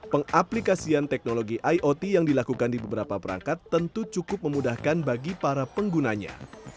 pengaplikasian teknologi iot yang dilakukan di beberapa perangkat tentu cukup memudahkan bagi para penggunanya